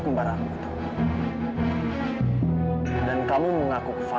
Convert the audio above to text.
terima kasih banyak ya